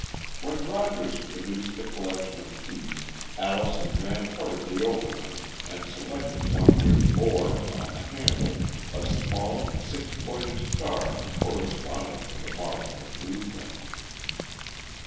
When Rogers produced the collection of keys, Allison ran hurriedly over them and selected one which bore, on the handle, a small six pointed star corresponding to the mark on the blue print.